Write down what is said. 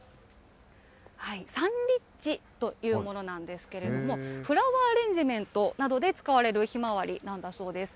サンリッチというものなんですけれども、フラワーアレンジメントなどで使われるヒマワリなんだそうです。